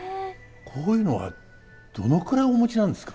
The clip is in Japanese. こういうのはどのくらいお持ちなんですか？